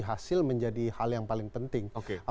hasil menjadi hal yang paling penting